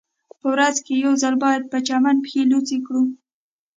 په ورځ کې یو ځل باید په چمن پښې لوڅې کړو